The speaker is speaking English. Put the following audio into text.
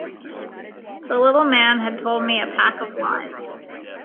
The little man had told me a pack of lies.